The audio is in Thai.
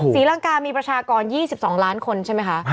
ศรีลังกามีประชากร๒๒ล้านคนใช่ไหมคะ